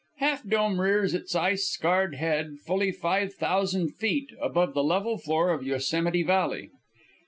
Half Dome rears its ice scarred head fully five thousand feet above the level floor of Yosemite Valley.